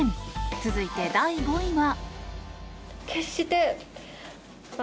続いて、第５位は。